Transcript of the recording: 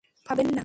ভয় পাবেন না!